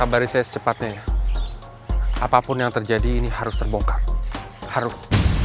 baik pak haris